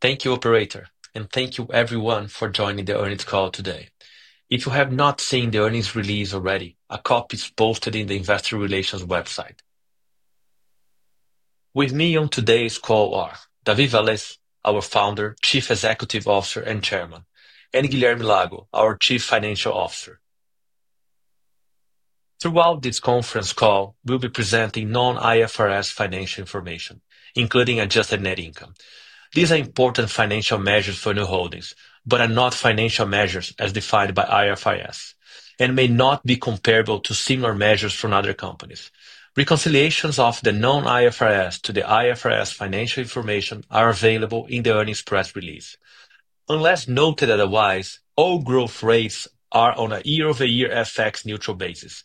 Thank you, Operator, and thank you, everyone, for joining the earnings call today. If you have not seen the earnings release already, a copy is posted in the investor relations website. With me on today's call are David Vélez, our Founder, Chief Executive Officer, and Chairman, and Guilherme Lago, our Chief Financial Officer. Throughout this conference call, we'll be presenting non-IFRS financial information, including adjusted net income. These are important financial measures for Nu Holdings but are not financial measures as defined by IFRS and may not be comparable to similar measures from other companies. Reconciliations of the non-IFRS to the IFRS financial information are available in the earnings press release. Unless noted otherwise, all growth rates are on a year-over-year FX neutral basis.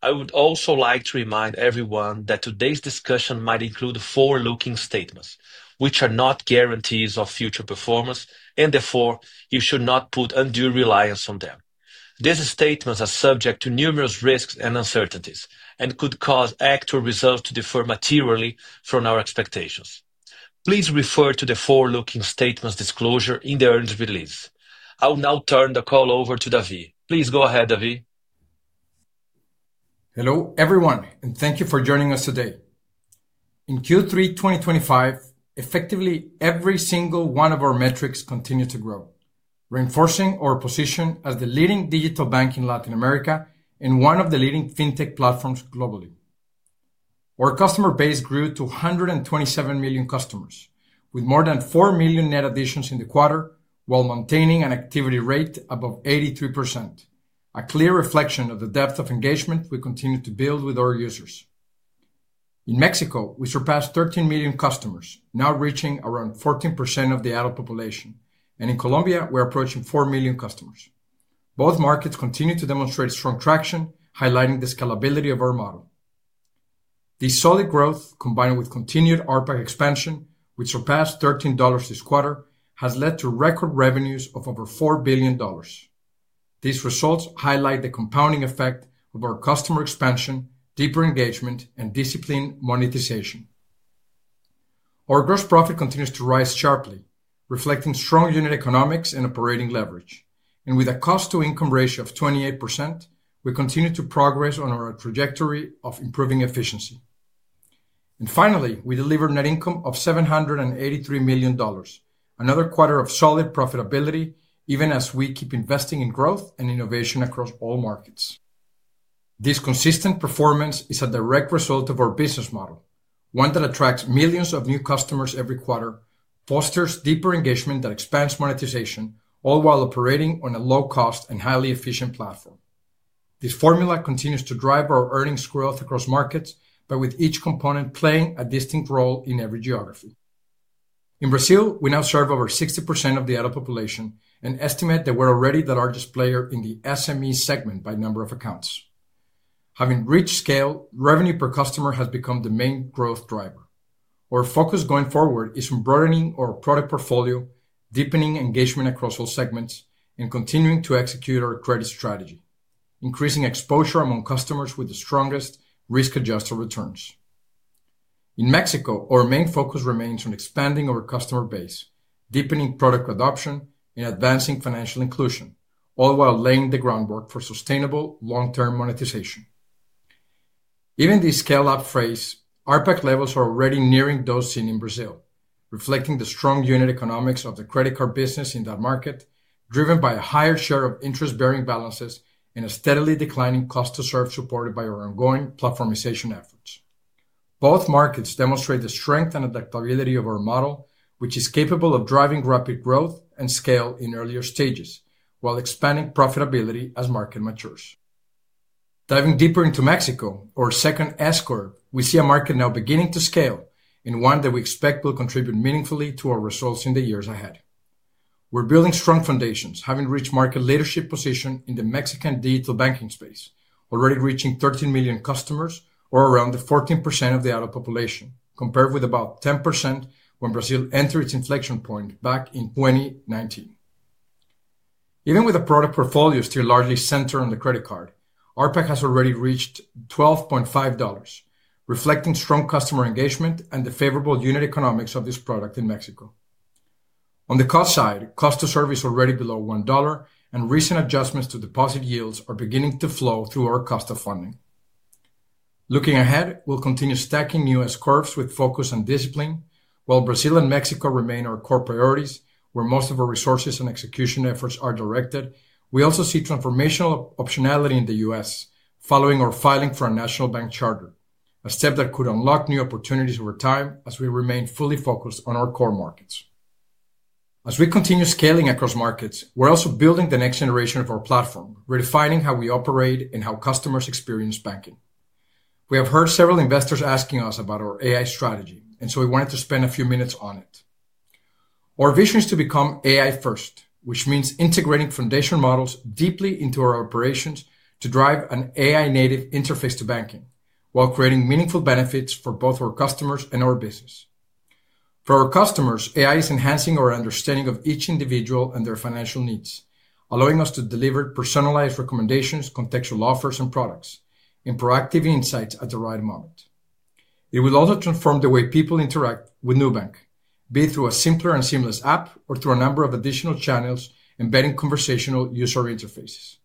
I would also like to remind everyone that today's discussion might include forward-looking statements, which are not guarantees of future performance, and therefore, you should not put undue reliance on them. These statements are subject to numerous risks and uncertainties and could cause actual results to differ materially from our expectations. Please refer to the forward-looking statements disclosure in the earnings release. I will now turn the call over to David. Please go ahead, David. Hello, everyone, and thank you for joining us today. In Q3 2025, effectively every single one of our metrics continued to grow, reinforcing our position as the leading digital bank in Latin America, and one of the leading fintech platforms globally. Our customer base grew to 127 million customers, with more than 4 million net additions in the quarter, while maintaining an activity rate above 83%, a clear reflection of the depth of engagement we continue to build with our users. In Mexico, we surpassed 13 million customers, now reaching around 14% of the adult population, and in Colombia, we're approaching 4 million customers. Both markets continue to demonstrate strong traction, highlighting the scalability of our model. This solid growth, combined with continued RPAC expansion, which surpassed $13 this quarter, has led to record revenues of over $4 billion. These results highlight the compounding effect of our customer expansion, deeper engagement, and disciplined monetization. Our gross profit continues to rise sharply, reflecting strong unit economics and operating leverage. With a cost-to-income ratio of 28%, we continue to progress on our trajectory of improving efficiency. Finally, we delivered net income of $783 million, another quarter of solid profitability, even as we keep investing in growth and innovation across all markets. This consistent performance is a direct result of our business model, one that attracts millions of new customers every quarter, fosters deeper engagement that expands monetization, all while operating on a low-cost and highly efficient platform. This formula continues to drive our earnings growth across markets, with each component playing a distinct role in every geography. In Brazil, we now serve over 60% of the adult population and estimate that we're already the largest player in the SME segment by number of accounts. Having reached scale, revenue per customer has become the main growth driver. Our focus going forward is on broadening our product portfolio, deepening engagement across all segments, and continuing to execute our credit strategy, increasing exposure among customers with the strongest risk-adjusted returns. In Mexico, our main focus remains on expanding our customer base, deepening product adoption, and advancing financial inclusion, all while laying the groundwork for sustainable long-term monetization. Even in the scale-up phase, RPAC levels are already nearing those seen in Brazil, reflecting the strong unit economics of the credit card business in that market, driven by a higher share of interest-bearing balances and a steadily declining cost-to-serve, supported by our ongoing platformization efforts. Both markets demonstrate the strength and adaptability of our model, which is capable of driving rapid growth and scale in earlier stages, while expanding profitability as the market matures. Diving deeper into Mexico, or second S-corp, we see a market now beginning to scale and one that we expect will contribute meaningfully to our results in the years ahead. We're building strong foundations, having reached market leadership positions in the Mexican digital banking space, already reaching 13 million customers, or around 14% of the adult population, compared with about 10% when Brazil entered its inflection point back in 2019. Even with a product portfolio still largely centered on the credit card, RPAC has already reached $12.5, reflecting strong customer engagement and the favorable unit economics of this product in Mexico. On the cost side, cost-to-serve is already below $1, and recent adjustments to deposit yields are beginning to flow through our cost of funding. Looking ahead, we'll continue stacking new S-corps with focus on discipline. While Brazil and Mexico remain our core priorities, where most of our resources and execution efforts are directed, we also see transformational optionality in the U.S., following our filing for a National Bank Charter, a step that could unlock new opportunities over time as we remain fully focused on our core markets. As we continue scaling across markets, we're also building the next generation of our platform, redefining how we operate and how customers experience banking. We have heard several investors asking us about our AI strategy, and so we wanted to spend a few minutes on it. Our vision is to become AI-first, which means integrating foundation models deeply into our operations to drive an AI-native interface to banking, while creating meaningful benefits for both our customers and our business. For our customers, AI is enhancing our understanding of each individual and their financial needs, allowing us to deliver personalized recommendations, contextual offers and products, and proactive insights at the right moment. It will also transform the way people interact with Nubank, be it through a simpler and seamless app or through a number of additional channels embedding conversational user interfaces.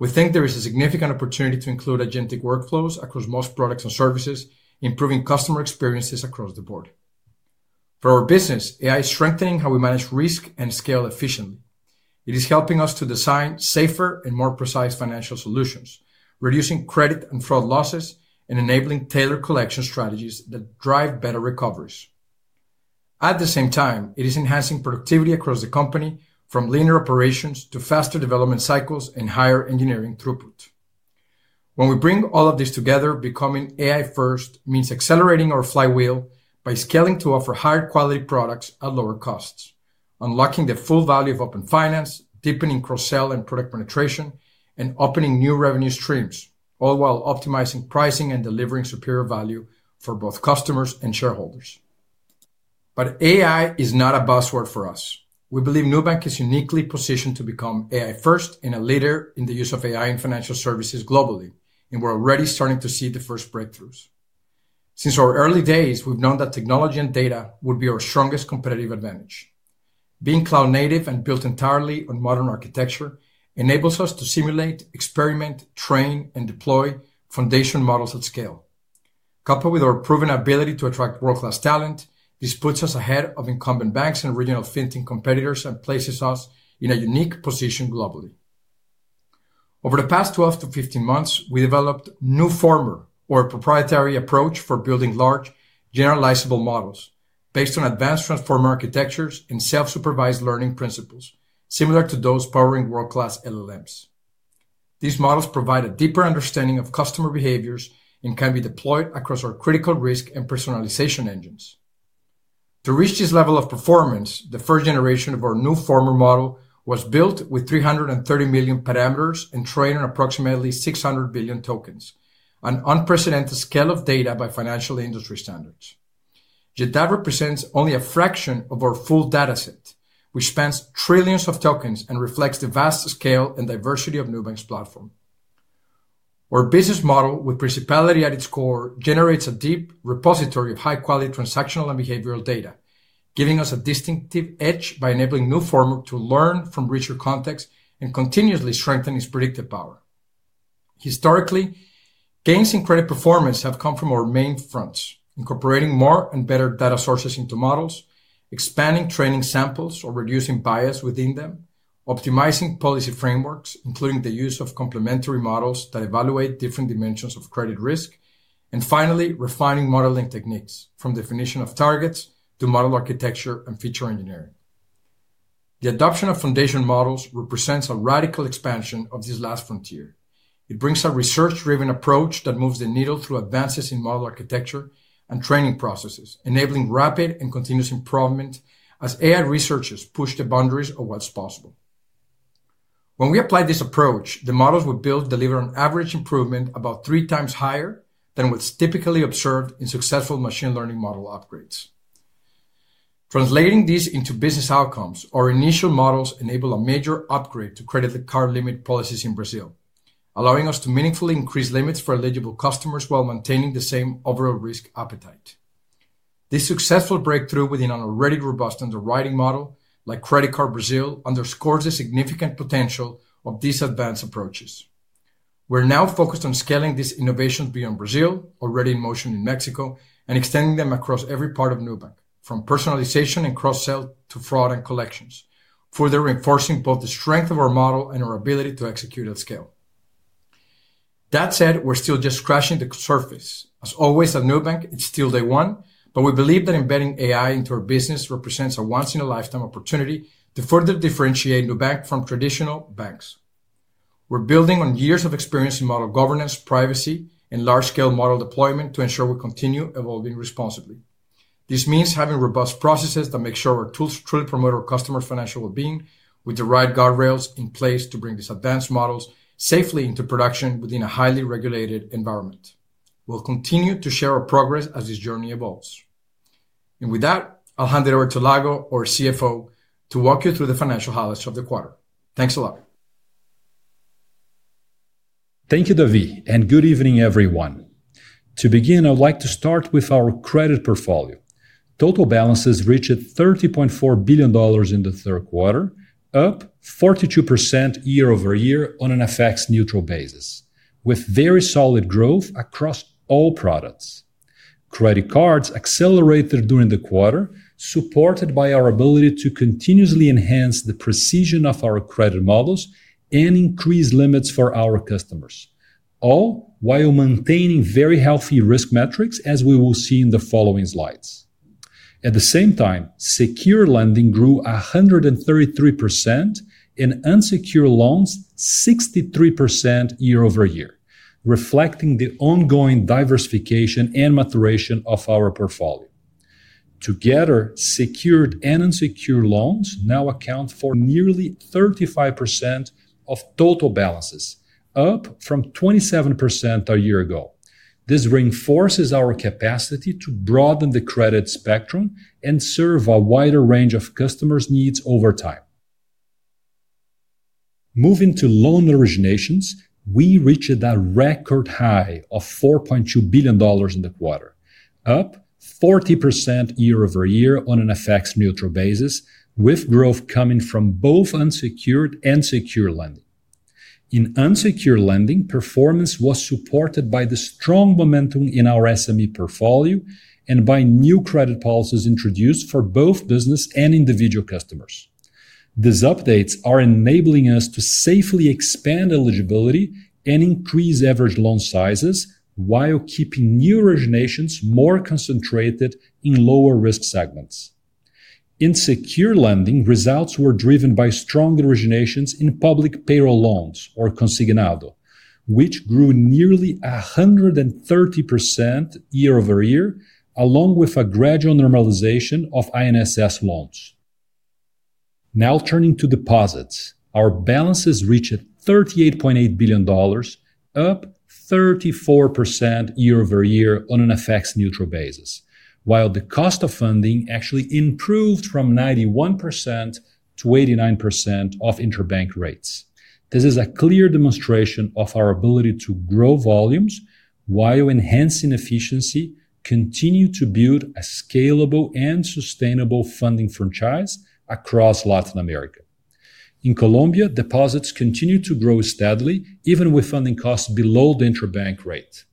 We think there is a significant opportunity to include agentic workflows across most products and services, improving customer experiences across the board. For our business, AI is strengthening how we manage risk and scale efficiently. It is helping us to design safer and more precise financial solutions, reducing credit and fraud losses, and enabling tailored collection strategies that drive better recoveries. At the same time, it is enhancing productivity across the company, from leaner operations to faster development cycles and higher engineering throughput. When we bring all of this together, becoming AI-first means accelerating our flywheel by scaling to offer higher quality products at lower costs, unlocking the full value of open finance, deepening cross-sell and product penetration, and opening new revenue streams, all while optimizing pricing and delivering superior value for both customers and shareholders. AI is not a buzzword for us. We believe Nubank is uniquely positioned to become AI-first and a leader in the use of AI in financial services globally, and we're already starting to see the first breakthroughs. Since our early days, we have known that technology and data would be our strongest competitive advantage. Being cloud-native and built entirely on modern architecture enables us to simulate, experiment, train, and deploy foundation models at scale. Coupled with our proven ability to attract world-class talent, this puts us ahead of incumbent banks and regional fintech competitors and places us in a unique position globally. Over the past 12 to 15 months, we developed Nuformer, or a proprietary approach for building large, generalizable models based on advanced transformer architectures and self-supervised learning principles, similar to those powering world-class LLMs. These models provide a deeper understanding of customer behaviors and can be deployed across our critical risk and personalization engines. To reach this level of performance, the first generation of our Nuformer model was built with 330 million parameters and trained on approximately 600 billion tokens, an unprecedented scale of data by financial industry standards. JDAV represents only a fraction of our full data set, which spans trillions of tokens and reflects the vast scale and diversity of Nubank's platform. Our business model, with principality at its core, generates a deep repository of high-quality transactional and behavioral data, giving us a distinctive edge by enabling Nuformer to learn from richer contexts and continuously strengthen its predictive power. Historically, gains in credit performance have come from our main fronts, incorporating more and better data sources into models, expanding training samples or reducing bias within them, optimizing policy frameworks, including the use of complementary models that evaluate different dimensions of credit risk, and finally, refining modeling techniques, from definition of targets to model architecture and feature engineering. The adoption of foundation models represents a radical expansion of this last frontier. It brings a research-driven approach that moves the needle through advances in model architecture and training processes, enabling rapid and continuous improvement as AI researchers push the boundaries of what's possible. When we apply this approach, the models we build deliver an average improvement about three times higher than what's typically observed in successful machine learning model upgrades. Translating this into business outcomes, our initial models enable a major upgrade to credit card limit policies in Brazil, allowing us to meaningfully increase limits for eligible customers while maintaining the same overall risk appetite. This successful breakthrough within an already robust underwriting model like Credit Card Brazil underscores the significant potential of these advanced approaches. We're now focused on scaling these innovations beyond Brazil, already in motion in Mexico, and extending them across every part of Nubank, from personalization and cross-sell to fraud and collections, further reinforcing both the strength of our model and our ability to execute at scale. That said, we're still just scratching the surface. As always at Nubank, it's still day one, but we believe that embedding AI into our business represents a once-in-a-lifetime opportunity to further differentiate Nubank from traditional banks. We're building on years of experience in model governance, privacy, and large-scale model deployment to ensure we continue evolving responsibly. This means having robust processes that make sure our tools truly promote our customer financial well-being, with the right guardrails in place to bring these advanced models safely into production within a highly regulated environment. We will continue to share our progress as this journey evolves. With that, I'll hand it over to Lago, our CFO, to walk you through the financial highlights of the quarter. Thanks a lot. Thank you, Davi, and good evening, everyone. To begin, I'd like to start with our credit portfolio. Total balances reached $30.4 billion in the third quarter, up 42% year-over-year on an FX-neutral basis, with very solid growth across all products. Credit cards accelerated during the quarter, supported by our ability to continuously enhance the precision of our credit models and increase limits for our customers, all while maintaining very healthy risk metrics, as we will see in the following slides. At the same time, secured lending grew 133% and unsecured loans 63% year-over-year, reflecting the ongoing diversification and maturation of our portfolio. Together, secured and unsecured loans now account for nearly 35% of total balances, up from 27% a year ago. This reinforces our capacity to broaden the credit spectrum and serve a wider range of customers' needs over time. Moving to loan originations, we reached a record high of $4.2 billion in the quarter, up 40% year-over-year on an FX-neutral basis, with growth coming from both unsecured and secured lending. In unsecured lending, performance was supported by the strong momentum in our SME portfolio and by new credit policies introduced for both business and individual customers. These updates are enabling us to safely expand eligibility and increase average loan sizes while keeping new originations more concentrated in lower-risk segments. In secured lending, results were driven by strong originations in public payroll loans, or consignado, which grew nearly 130% year-over-year, along with a gradual normalization of INSS loans. Now turning to deposits, our balances reached $38.8 billion, up 34% year-over-year on an FX-neutral basis, while the cost of funding actually improved from 91% to 89% of interbank rates. This is a clear demonstration of our ability to grow volumes while enhancing efficiency, continuing to build a scalable and sustainable funding franchise across Latin America. In Colombia, deposits continue to grow steadily, even with funding costs below the interbank rate.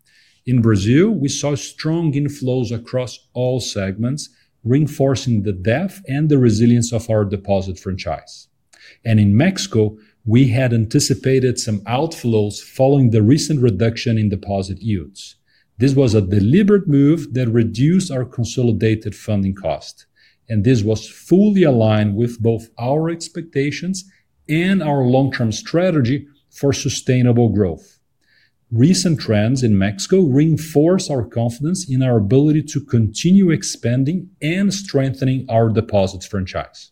In Brazil, we saw strong inflows across all segments, reinforcing the depth and the resilience of our deposit franchise. In Mexico, we had anticipated some outflows following the recent reduction in deposit yields. This was a deliberate move that reduced our consolidated funding cost, and this was fully aligned with both our expectations and our long-term strategy for sustainable growth. Recent trends in Mexico reinforce our confidence in our ability to continue expanding and strengthening our deposit franchise.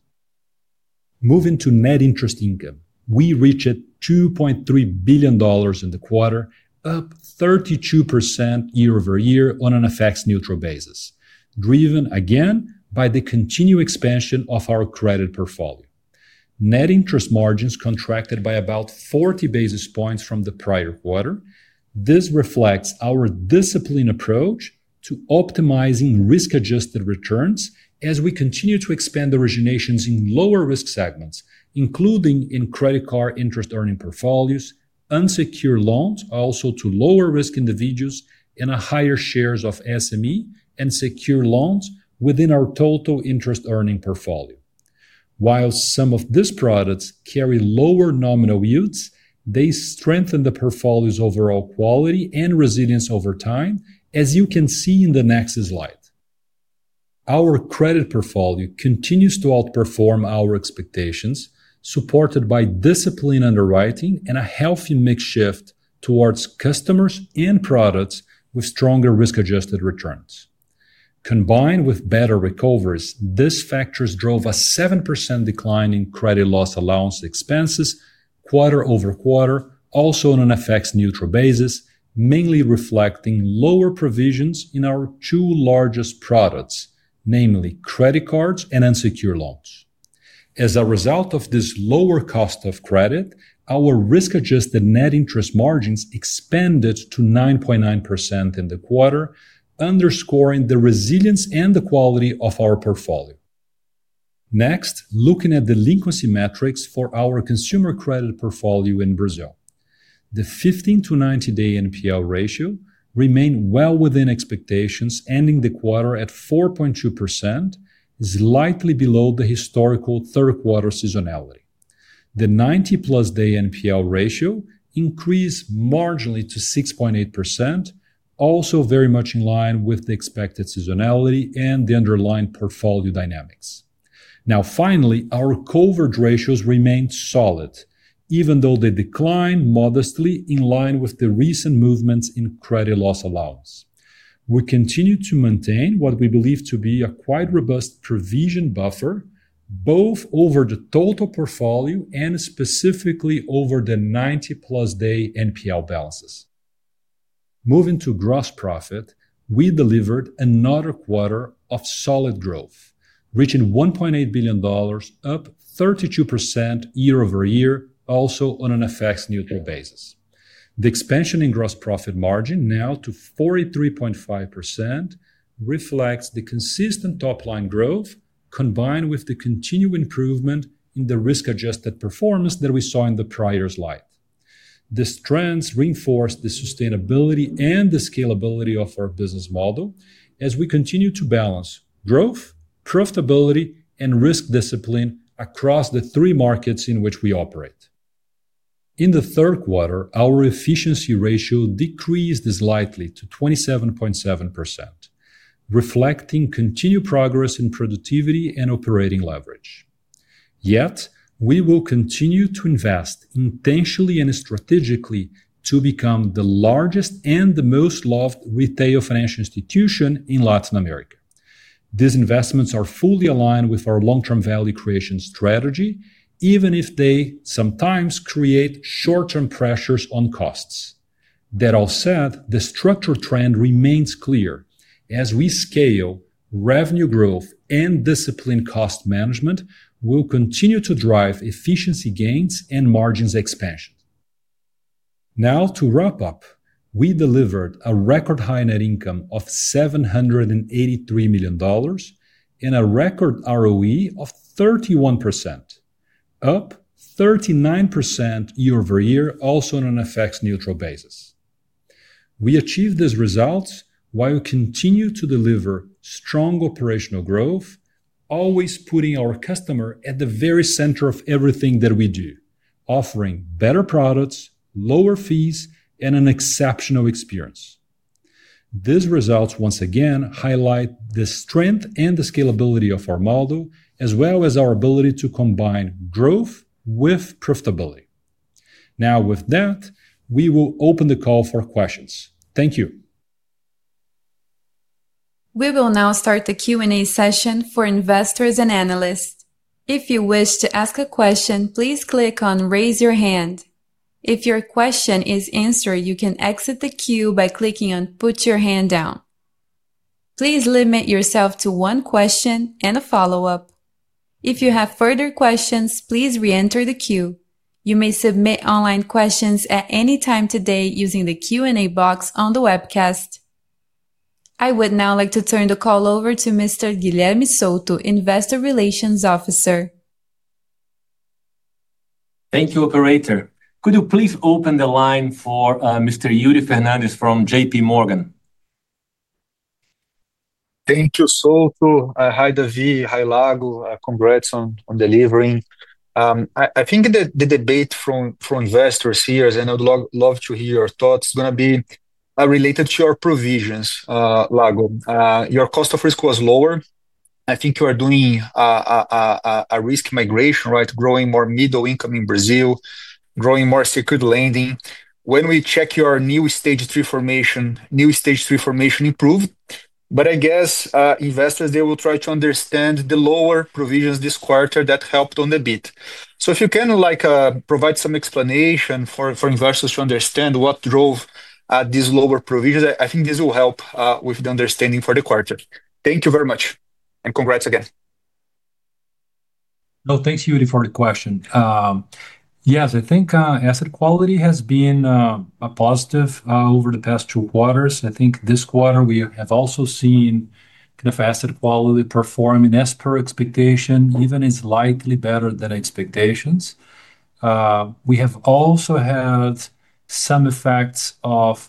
Moving to net interest income, we reached $2.3 billion in the quarter, up 32% year-over-year on an FX-neutral basis, driven again by the continued expansion of our credit portfolio. Net interest margins contracted by about 40 basis points from the prior quarter. This reflects our disciplined approach to optimizing risk-adjusted returns as we continue to expand originations in lower-risk segments, including in credit card interest-earning portfolios, unsecured loans also to lower-risk individuals, and higher shares of SME and secure loans within our total interest-earning portfolio. While some of these products carry lower nominal yields, they strengthen the portfolio's overall quality and resilience over time, as you can see in the next slide. Our credit portfolio continues to outperform our expectations, supported by disciplined underwriting and a healthy mix shift towards customers and products with stronger risk-adjusted returns. Combined with better recoveries, these factors drove a 7% decline in credit loss allowance expenses quarter over quarter, also on an FX-neutral basis, mainly reflecting lower provisions in our two largest products, namely credit cards and unsecured loans. As a result of this lower cost of credit, our risk-adjusted net interest margins expanded to 9.9% in the quarter, underscoring the resilience and the quality of our portfolio. Next, looking at the liquidity metrics for our consumer credit portfolio in Brazil. The 15-90 day NPL ratio remained well within expectations, ending the quarter at 4.2%, slightly below the historical third-quarter seasonality. The 90-plus-day NPL ratio increased marginally to 6.8%, also very much in line with the expected seasonality and the underlying portfolio dynamics. Now, finally, our coverage ratios remained solid, even though they declined modestly in line with the recent movements in credit loss allowance. We continue to maintain what we believe to be a quite robust provision buffer, both over the total portfolio and specifically over the 90-plus-day NPL balances. Moving to gross profit, we delivered another quarter of solid growth, reaching $1.8 billion, up 32% year-over-year, also on an FX-neutral basis. The expansion in gross profit margin, now to 43.5%, reflects the consistent top-line growth combined with the continued improvement in the risk-adjusted performance that we saw in the prior slide. These trends reinforce the sustainability and the scalability of our business model as we continue to balance growth, profitability, and risk discipline across the three markets in which we operate. In the third quarter, our efficiency ratio decreased slightly to 27.7%, reflecting continued progress in productivity and operating leverage. Yet, we will continue to invest intentionally and strategically to become the largest and the most loved retail financial institution in Latin America. These investments are fully aligned with our long-term value creation strategy, even if they sometimes create short-term pressures on costs. That all said, the structural trend remains clear. As we scale, revenue growth and disciplined cost management will continue to drive efficiency gains and margins expansion. Now, to wrap up, we delivered a record high net income of $783 million and a record ROE of 31%, up 39% year-over-year, also on an FX-neutral basis. We achieved these results while we continue to deliver strong operational growth, always putting our customer at the very center of everything that we do, offering better products, lower fees, and an exceptional experience. These results, once again, highlight the strength and the scalability of our model, as well as our ability to combine growth with profitability. Now, with that, we will open the call for questions. Thank you. We will now start the Q&A session for investors and analysts. If you wish to ask a question, please click on "Raise Your Hand." If your question is answered, you can exit the queue by clicking on "Put Your Hand Down." Please limit yourself to one question and a follow-up. If you have further questions, please re-enter the queue. You may submit online questions at any time today using the Q&A box on the webcast. I would now like to turn the call over to Mr. Guilherme Souto, Investor Relations Officer. Thank you, Operator. Could you please open the line for Mr. Yuri Fernandes from JPMorgan? Thank you, Souto. Hi, Davi. Hi, Lago. Congrats on delivering. I think the debate from investors here, and I'd love to hear your thoughts, is going to be related to your provisions, Lago. Your cost of risk was lower. I think you are doing a risk migration, right? Growing more middle-income in Brazil, growing more secured lending. When we check your new stage three formation, new stage three formation improved. I guess Investors they will try to understand the lower provisions this quarter that helped on the bit. If you can provide some explanation for investors to understand what drove these lower provisions, I think this will help with the understanding for the quarter. Thank you very much, and congrats again. No, thanks, Yuri, for the question. Yes, I think asset quality has been positive over the past two quarters. I think this quarter, we have also seen kind of asset quality performing as per expectation, even slightly better than expectations. We have also had some effects of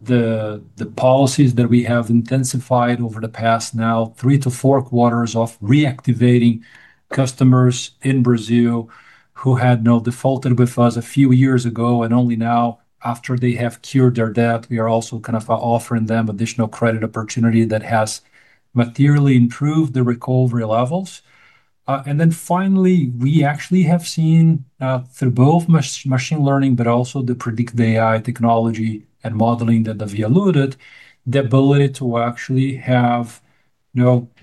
the policies that we have intensified over the past now three to four quarters of reactivating customers in Brazil who had defaulted with us a few years ago. Only now, after they have cured their debt, we are also kind of offering them additional credit opportunity that has materially improved the recovery levels. Finally, we actually have seen, through both machine learning but also the predictive AI technology and modeling that Davi alluded, the ability to actually have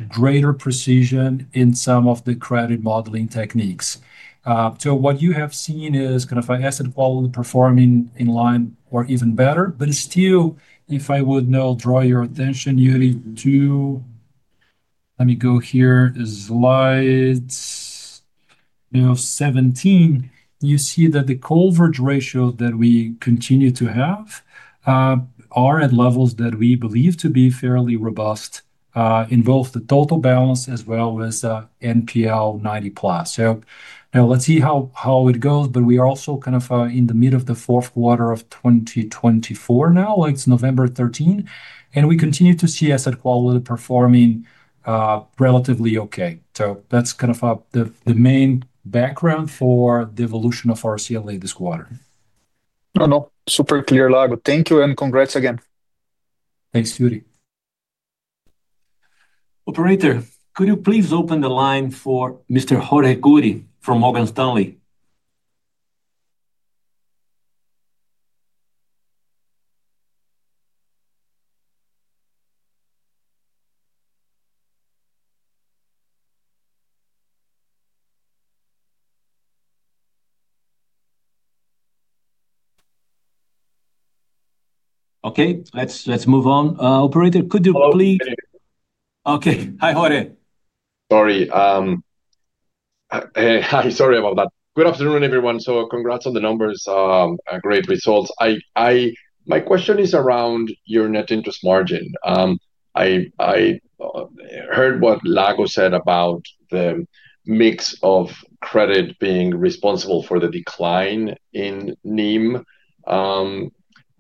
greater precision in some of the credit modeling techniques. What you have seen is kind of asset quality performing in line or even better. If I would draw your attention, Yuri, to let me go here, slide 17, you see that the coverage ratios that we continue to have are at levels that we believe to be fairly robust in both the total balance as well as NPL 90-plus. Now let's see how it goes. We are also kind of in the mid of the fourth quarter of 2024 now, like November 13. We continue to see asset quality performing relatively okay. That's kind of the main background for the evolution of our CLA this quarter. No, no. Super clear, Lago. Thank you, and congrats again. Thanks, Yuri. Operator, could you please open the line for Mr. Jorge Guri from Morgan Stanley? Okay, let's move on. Operator, could you please? Okay. Hi, Jorge. Sorry. Hi, sorry about that. Good afternoon, everyone. Congrats on the numbers, great results. My question is around your net interest margin. I heard what Lago said about the mix of credit being responsible for the decline in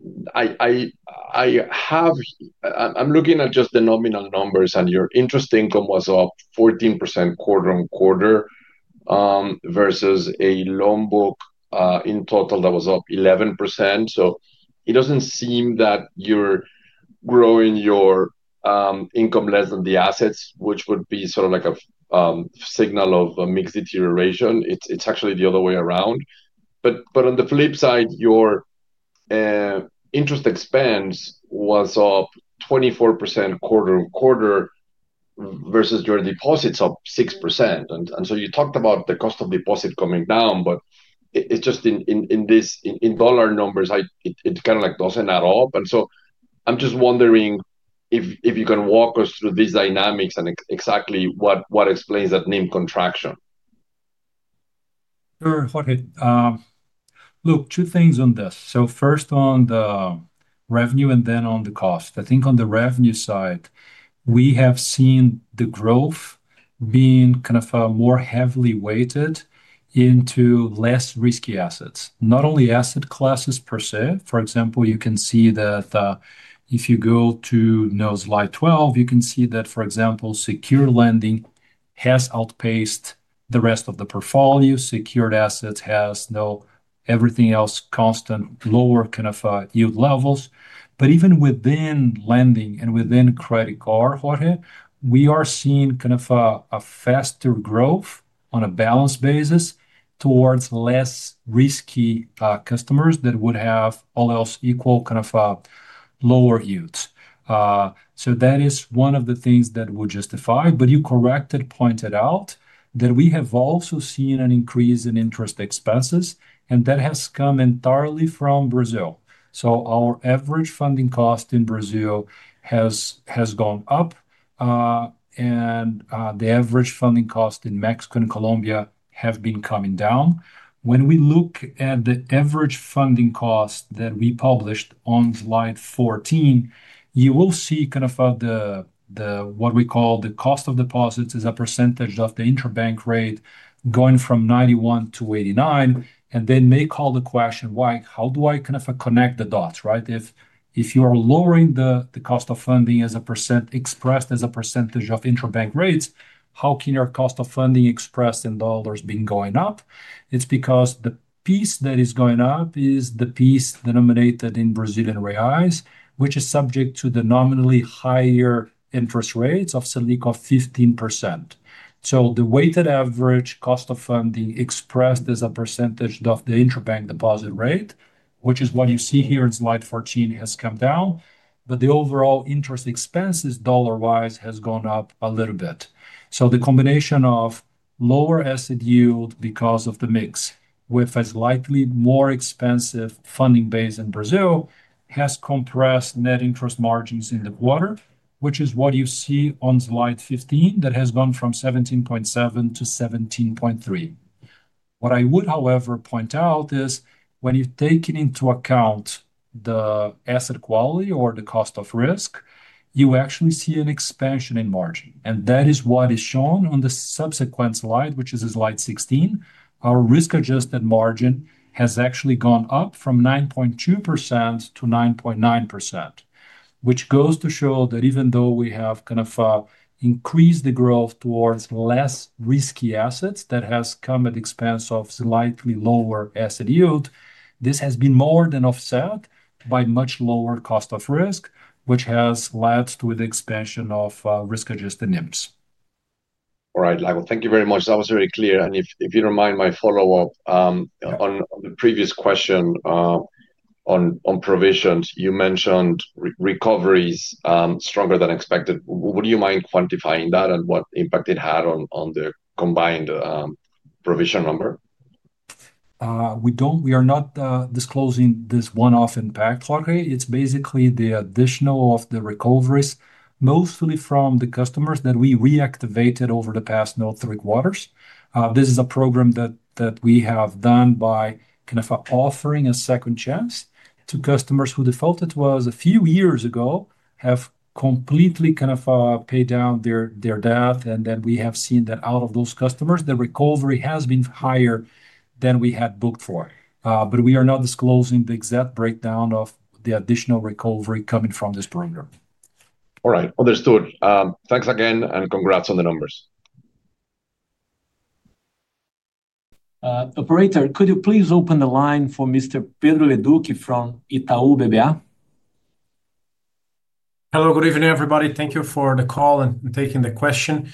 NIM. I'm looking at just the nominal numbers, and your interest income was up 14% quarter on quarter, versus a loan book in total that was up 11%. It does not seem that you're growing your income less than the assets, which would be sort of like a signal of mix deterioration. It's actually the other way around. On the flip side, your interest expense was up 24% quarter on quarter, versus your deposits up 6%. You talked about the cost of deposit coming down, but just in dollar numbers, it kind of does not add up. I'm just wondering if you can walk us through these dynamics and exactly what explains that NIM contraction. Sure, Jorge. Look, two things on this. First on the revenue and then on the cost. I think on the revenue side, we have seen the growth being kind of more heavily weighted into less risky assets, not only asset classes per se. For example, you can see that if you go to slide 12, you can see that, for example, secured lending has outpaced the rest of the portfolio. Secured assets have, everything else constant, lower kind of yield levels. Even within lending and within credit card, Jorge, we are seeing kind of a faster growth on a balance basis towards less risky customers that would have, all else equal, kind of lower yields. That is one of the things that would justify. You correctly pointed out that we have also seen an increase in interest expenses, and that has come entirely from Brazil. Our average funding cost in Brazil has gone up, and the average funding cost in Mexico and Colombia have been coming down. When we look at the average funding cost that we published on slide 14, you will see kind of what we call the cost of deposits as a percentage of the interbank rate, going from 91% to 89%. Then they call the question, "Why? How do I kind of connect the dots?" If you are lowering the cost of funding as a percent expressed as a percentage of interbank rates, how can your cost of funding expressed in dollars been going up? It's because the piece that is going up is the piece denominated in Brazilian Reais, which is subject to the nominally higher interest rates of 15%. The weighted average cost of funding, expressed as a percentage of the interbank deposit rate, which is what you see here in slide 14, has come down. The overall interest expenses dollar-wise has gone up a little bit. The combination of lower asset yield because of the mix with a slightly more expensive funding base in Brazil has compressed net interest margins in the quarter, which is what you see on slide 15, that has gone from 17.7% to 17.3%. What I would, however, point out is when you take into account the asset quality or the cost of risk, you actually see an expansion in margin. That is what is shown on the subsequent slide, which is slide 16. Our risk-adjusted margin has actually gone up from 9.2% to 9.9%, which goes to show that even though we have kind of increased the growth towards less risky assets that has come at the expense of slightly lower asset yield, this has been more than offset by much lower cost of risk, which has led to the expansion of risk-adjusted NIMs. All right, Lago. Thank you very much. That was very clear. If you do not mind my follow-up on the previous question on provisions, you mentioned recoveries stronger than expected. Would you mind quantifying that and what impact it had on the combined provision number? We are not disclosing this one-off impact, Jorge. It's basically the addition of the recoveries, mostly from the customers that we reactivated over the past three quarters. This is a program that we have done by kind of offering a second chance to customers who defaulted to us a few years ago, have completely kind of paid down their debt. We have seen that out of those customers, the recovery has been higher than we had booked for. We are not disclosing the exact breakdown of the additional recovery coming from this program. All right. Understood. Thanks again, and congrats on the numbers. Operator, could you please open the line for Mr. Pedro Leduc from Itaú BBA? Hello, good evening, everybody. Thank you for the call and taking the question.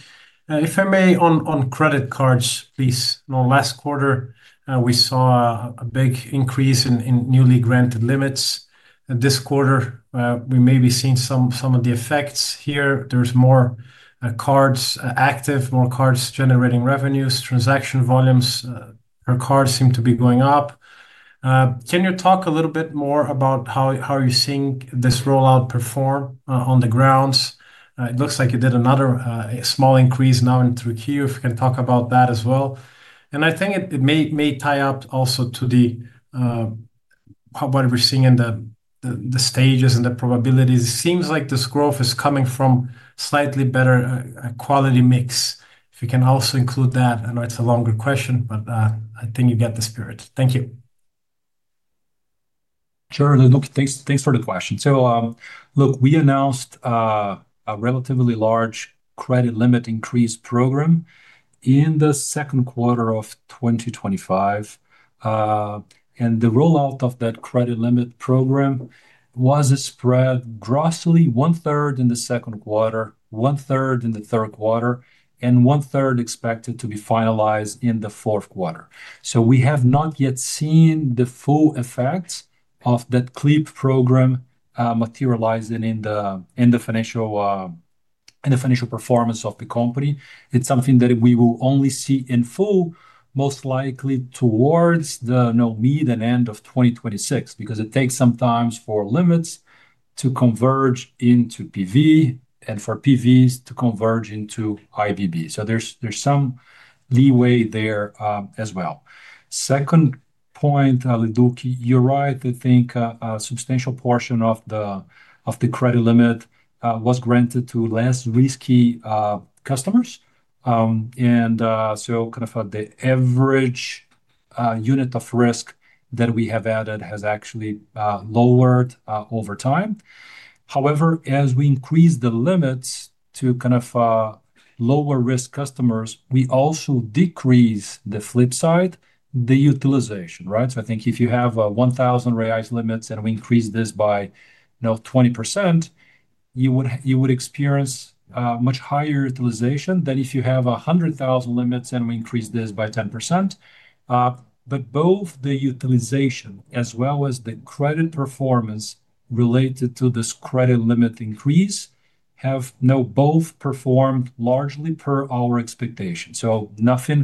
If I may, on credit cards, please. Last quarter, we saw a big increase in newly granted limits. This quarter, we may be seeing some of the effects here. There are more cards active, more cards generating revenues, transaction volumes. Her cards seem to be going up. Can you talk a little bit more about how you're seeing this rollout perform on the ground? It looks like you did another small increase now in through Q2. If you can talk about that as well. I think it may tie up also to what we're seeing in the stages and the probabilities. It seems like this growth is coming from slightly better quality mix. If you can also include that. I know it's a longer question, but I think you get the spirit. Thank you. Sure. Thanks for the question. Look, we announced a relatively large credit limit increase program in the second quarter of 2025. The rollout of that credit limit program was spread roughly one-third in the second quarter, one-third in the third quarter, and one-third expected to be finalized in the fourth quarter. We have not yet seen the full effects of that CLEAP program materializing in the financial performance of the company. It is something that we will only see in full, most likely towards the mid and end of 2026, because it takes some time for limits to converge into PV and for PVs to converge into IBB. There is some leeway there as well. Second point, Leduc, you are right. I think a substantial portion of the credit limit was granted to less risky customers. The average unit of risk that we have added has actually lowered over time. However, as we increase the limits to lower-risk customers, we also decrease the flip side, the utilization, right? I think if you have 1,000 reais limits and we increase this by 20%, you would experience much higher utilization than if you have 100,000 limits and we increase this by 10%. Both the utilization as well as the credit performance related to this credit limit increase have both performed largely per our expectation. Nothing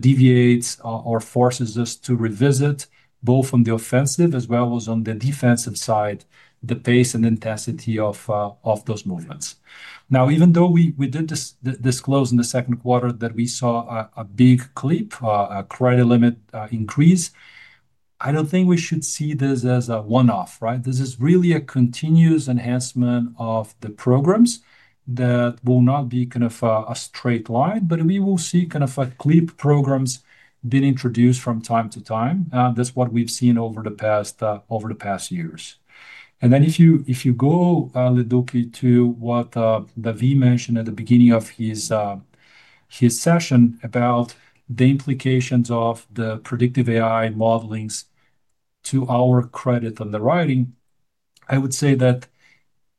deviates or forces us to revisit both on the offensive as well as on the defensive side, the pace and intensity of those movements. Now, even though we did disclose in the second quarter that we saw a big CLEAP, a credit limit increase, I do not think we should see this as a one-off, right? This is really a continuous enhancement of the programs that will not be kind of a straight line, but we will see kind of CLEAP programs being introduced from time to time. That is what we have seen over the past years. If you go, Leduc, to what Davi mentioned at the beginning of his session about the implications of the predictive AI modelings to our credit underwriting, I would say that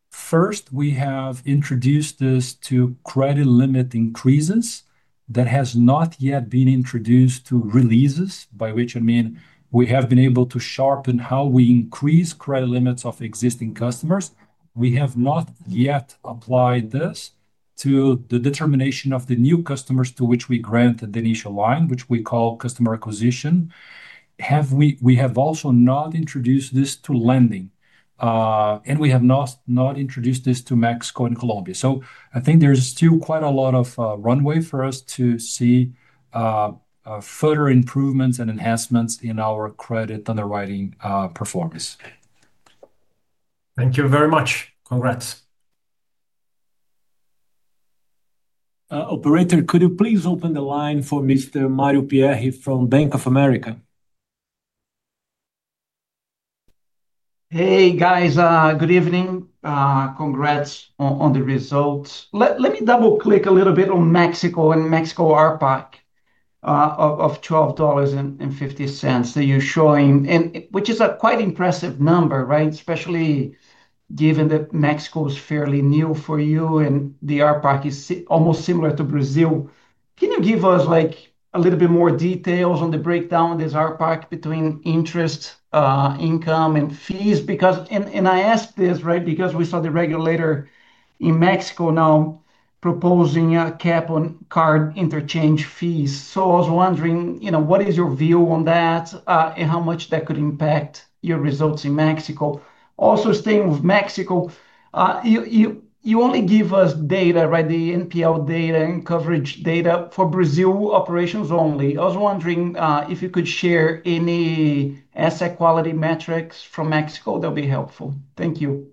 first, we have introduced this to credit limit increases that has not yet been introduced to releases, by which I mean we have been able to sharpen how we increase credit limits of existing customers. We have not yet applied this to the determination of the new customers to which we granted the initial line, which we call customer acquisition. We have also not introduced this to lending, and we have not introduced this to Mexico and Colombia. I think there is still quite a lot of runway for us to see further improvements and enhancements in our credit underwriting performance. Thank you very much. Congrats. Operator, could you please open the line for Mr. Mario Pierry from Bank of America? Hey, guys. Good evening. Congrats on the results. Let me double-click a little bit on Mexico and Mexico RPAC of $12.50 that you're showing, which is a quite impressive number, right? Especially given that Mexico is fairly new for you, and the RPAC is almost similar to Brazil. Can you give us a little bit more details on the breakdown of this RPAC between interest, income, and fees? I ask this, right, because we saw the regulator in Mexico now proposing a cap on card interchange fees. I was wondering, what is your view on that, and how much that could impact your results in Mexico? Also, staying with Mexico, you only give us data, right? The NPL data and coverage data for Brazil operations only. I was wondering if you could share any asset quality metrics from Mexico. That would be helpful. Thank you.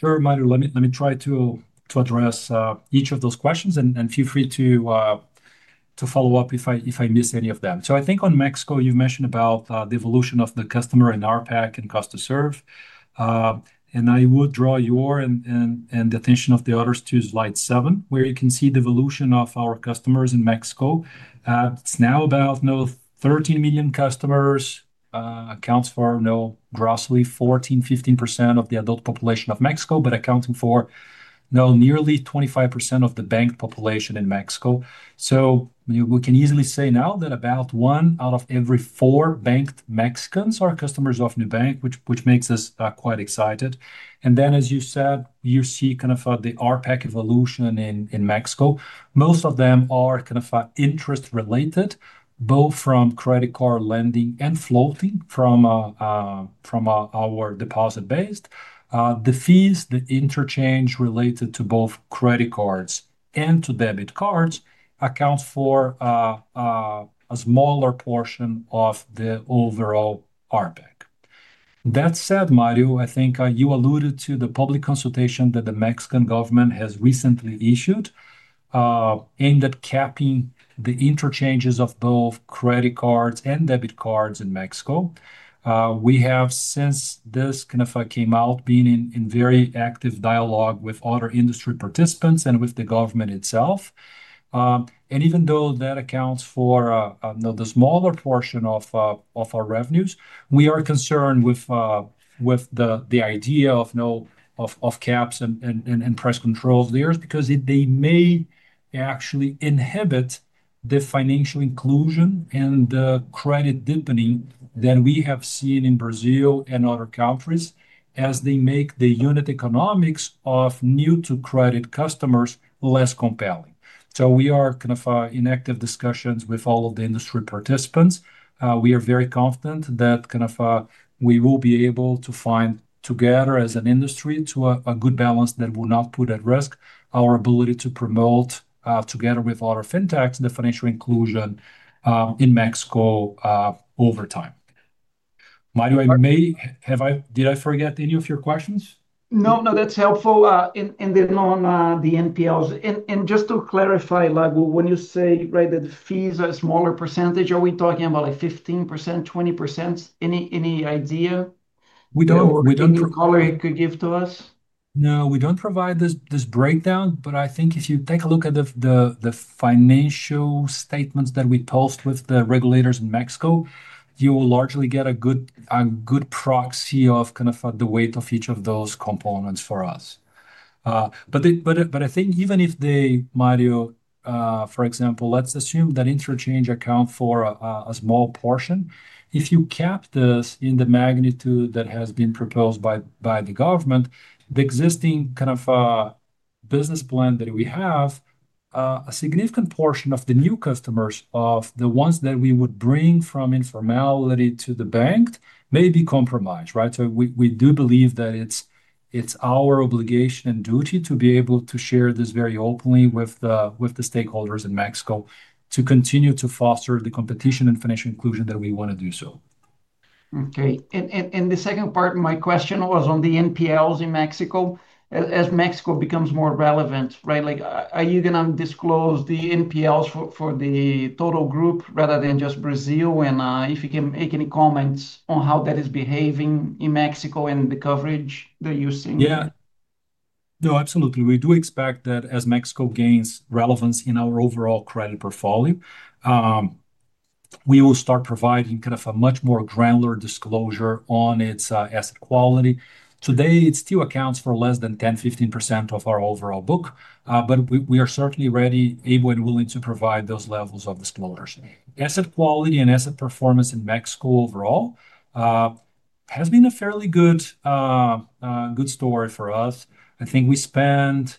Sure, reminder. Let me try to address each of those questions, and feel free to follow up if I miss any of them. I think on Mexico, you've mentioned about the evolution of the customer in RPAC and cost to serve. I would draw your and the attention of the others to slide 7, where you can see the evolution of our customers in Mexico. It's now about 13 million customers, accounts for grossly 14%-15% of the adult population of Mexico, but accounting for nearly 25% of the banked population in Mexico. We can easily say now that about one out of every four banked Mexicans are customers of Nubank, which makes us quite excited. As you said, you see kind of the RPAC evolution in Mexico. Most of them are kind of interest-related, both from credit card lending and floating from our deposit-based. The fees, the interchange related to both credit cards and to debit cards accounts for a smaller portion of the overall RPAC. That said, Mario, I think you alluded to the public consultation that the Mexican government has recently issued aimed at capping the interchanges of both credit cards and debit cards in Mexico. We have, since this kind of came out, been in very active dialogue with other industry participants and with the government itself. Even though that accounts for the smaller portion of our revenues, we are concerned with the idea of caps and price controls there because they may actually inhibit the financial inclusion and the credit deepening that we have seen in Brazil and other countries as they make the unit economics of new-to-credit customers less compelling. We are kind of in active discussions with all of the industry participants. We are very confident that kind of we will be able to find together as an industry a good balance that will not put at risk our ability to promote together with other fintechs the financial inclusion in Mexico over time. Mario, did I forget any of your questions? No, no, that's helpful. And then on the NPLs, and just to clarify, when you say that the fees are a smaller percentage, are we talking about 15%-20%? Any idea? We don't. Anything you think you could give to us? No, we do not provide this breakdown, but I think if you take a look at the financial statements that we post with the regulators in Mexico, you will largely get a good proxy of kind of the weight of each of those components for us. I think even if they, Mario, for example, let's assume that interchange accounts for a small portion. If you cap this in the magnitude that has been proposed by the government, the existing kind of business plan that we have, a significant portion of the new customers of the ones that we would bring from informality to the banked may be compromised, right? We do believe that it is our obligation and duty to be able to share this very openly with the stakeholders in Mexico to continue to foster the competition and financial inclusion that we want to do so. Okay. The second part of my question was on the NPLs in Mexico. As Mexico becomes more relevant, right? Are you going to disclose the NPLs for the total group rather than just Brazil? If you can make any comments on how that is behaving in Mexico, and the coverage that you're seeing. Yeah. No, absolutely. We do expect that as Mexico gains relevance in our overall credit portfolio, we will start providing kind of a much more granular disclosure on its asset quality. Today, it still accounts for less than 10%-15% of our overall book, but we are certainly ready, able, and willing to provide those levels of disclosures. Asset quality and asset performance in Mexico overall has been a fairly good story for us. I think we spent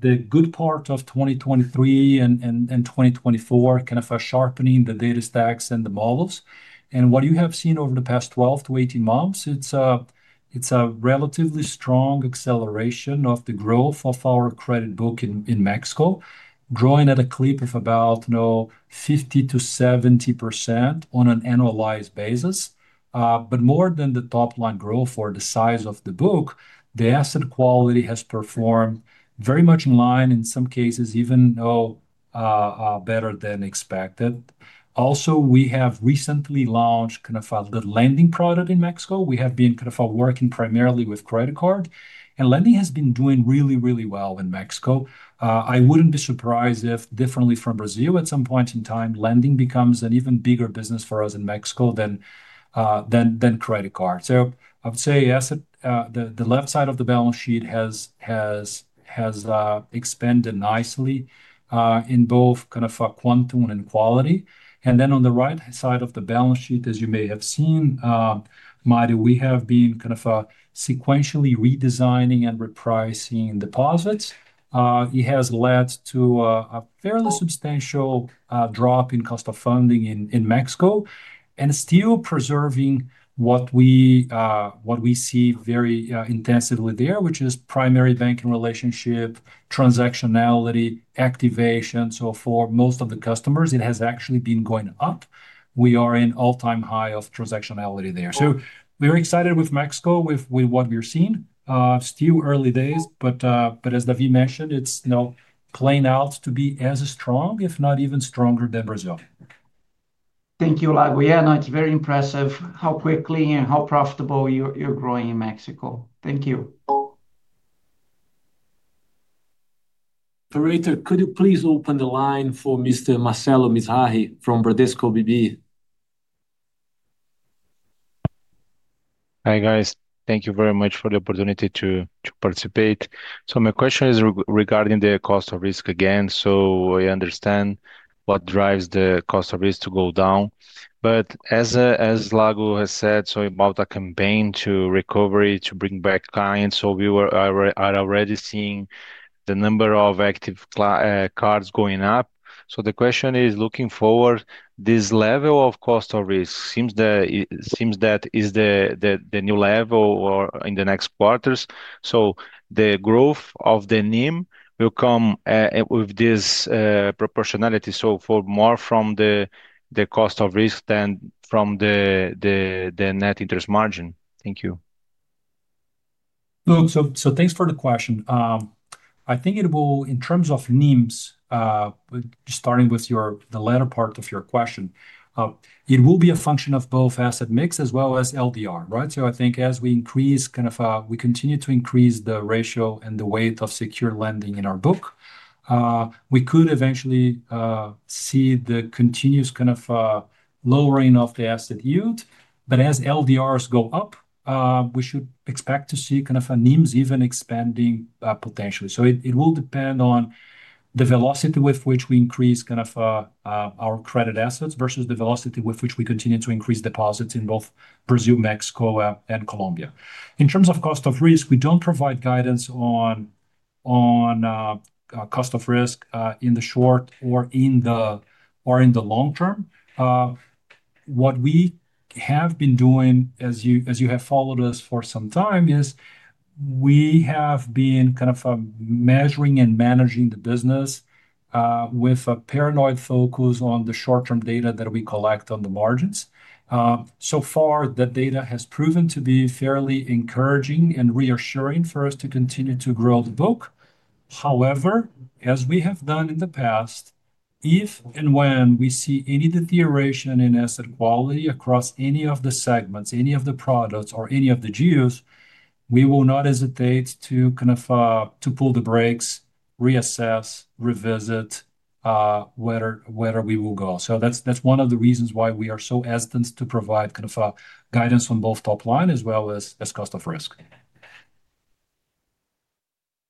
the good part of 2023 and 2024 kind of sharpening the data stacks and the models. What you have seen over the past 12-18 months it's a relatively strong acceleration of the growth of our credit book in Mexico, growing at a clip of about 50%-70% on an annualized basis. More than the top-line growth or the size of the book, the asset quality has performed very much in line, in some cases even better than expected. Also, we have recently launched kind of the lending product in Mexico. We have been kind of working primarily with credit card, and lending has been doing really, really well in Mexico. I would not be surprised if, differently from Brazil, at some point in time, lending becomes an even bigger business for us in Mexico than credit card. I would say the left side of the balance sheet has expanded nicely in both kind of quantum and quality. On the right side of the balance sheet, as you may have seen, Mario, we have been kind of sequentially redesigning and repricing deposits. It has led to a fairly substantial drop in cost of funding in Mexico and still preserving what we see very intensively there, which is primary banking relationship, transactionality, activation. For most of the customers, it has actually been going up. We are in an all-time high of transactionality there. We are excited with Mexico, with what we are seeing. Still early days, but as Davi mentioned, it is playing out to be as strong, if not even stronger, than Brazil. Thank you, Lago. Yeah, it's very impressive how quickly and how profitable you're growing in Mexico. Thank you. Operator, could you please open the line for Mr. Marcelo Mizrahi from Bradesco BBI? Hi guys. Thank you very much for the opportunity to participate. My question is regarding the cost of risk again. I understand what drives the cost of risk to go down. As Lago has said, about a campaign to recovery, to bring back clients. We are already seeing the number of active cards going up. The question is, looking forward, this level of cost of risk seems that is the new level or in the next quarters. The growth of the NIM will come with this proportionality, more from the cost of risk than from the net interest margin. Thank you. Thanks for the question. I think it will, in terms of NIMs, just starting with the latter part of your question, it will be a function of both asset mix as well as LDR, right? I think as we increase, kind of, we continue to increase the ratio and the weight of secured lending in our book, we could eventually see the continuous kind of lowering of the asset yield. As LDRs go up, we should expect to see kind of NIMs even expanding potentially. It will depend on the velocity with which we increase, kind of, our credit assets versus the velocity with which we continue to increase deposits in both Brazil, Mexico, and Colombia. In terms of cost of risk, we do not provide guidance on cost of risk in the short or in the long term. What we have been doing, as you have followed us for some time, is we have been kind of measuring and managing the business with a paranoid focus on the short-term data that we collect on the margins. So far, that data has proven to be fairly encouraging and reassuring for us to continue to grow the book. However, as we have done in the past, if and when we see any deterioration in asset quality across any of the segments, any of the products, or any of the geos, we will not hesitate to kind of pull the brakes, reassess, revisit where we will go. That is one of the reasons why we are so hesitant to provide kind of guidance on both top-line as well as cost of risk.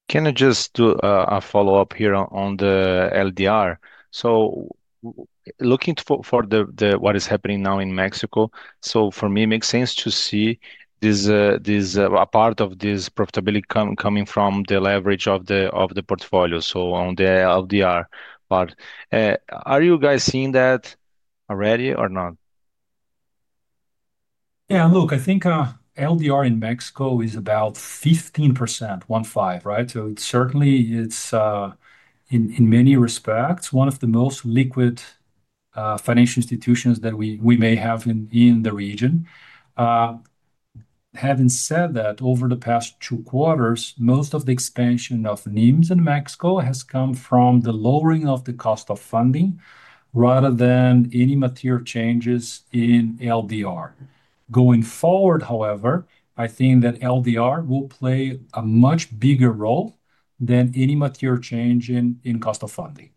Can I just do a follow-up here on the LDR? Looking for what is happening now in Mexico, for me, it makes sense to see a part of this profitability coming from the leverage of the portfolio, on the LDR part. Are you guys seeing that already or not? Yeah, look, I think LDR in Mexico is about 15%, one five percent, right? Certainly, in many respects, one of the most liquid financial institutions that we may have in the region. Having said that, over the past two quarters, most of the expansion of NIMs in Mexico has come from the lowering of the cost of funding rather than any material changes in LDR. Going forward, however, I think that LDR will play a much bigger role than any material change in cost of funding.